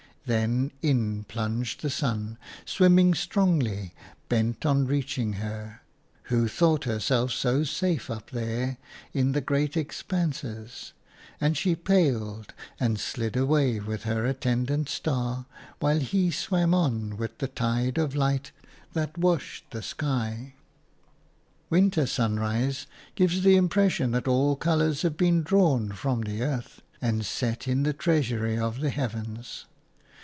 Then in plunged the sun, swimming strongly, bent on reaching her, who thought herself so safe up there in the great expanses; and she paled and slid away with her attendant star, while he swam on with the tide of light that washed the sky. Winter sunrise gives the impression that all colours have been drawn from the earth and set in the treasury of the heavens.